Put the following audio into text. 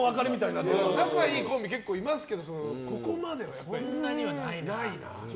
仲がいいコンビ結構いますけどここまではやっぱりないな。